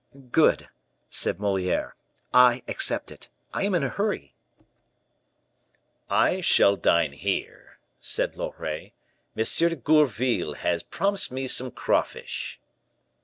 "Good," said Moliere, "I accept it. I am in a hurry." "I shall dine here," said Loret. "M. de Gourville has promised me some craw fish."